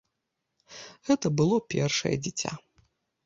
Гэта было першае дзіця.